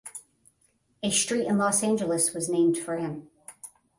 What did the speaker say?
A street in Los Angeles was named for him.